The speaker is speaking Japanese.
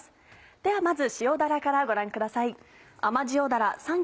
ではまず塩だらからご覧ください。